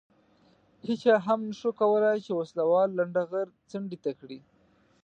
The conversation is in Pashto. هېچا هم نه شوای کولای چې وسله وال لنډه غر څنډې ته کړي.